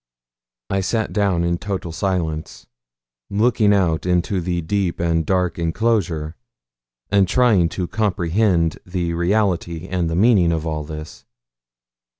I sat down in total silence, looking out into the deep and dark enclosure, and trying to comprehend the reality and the meaning of all this.